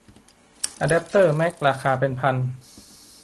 อะแดปเตอร์แมคราคาเป็นพัน